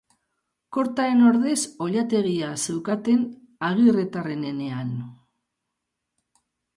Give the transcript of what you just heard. Kortaren ordez oilategia zeukaten Agirretarrenean.